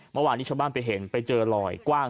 เมื่อวานนี้ชาวบ้านไปเห็นไปเจอลอยกว้าง